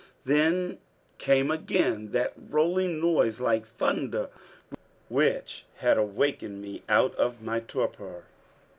Then came again that rolling noise like thunder which had awakened me out of torpor.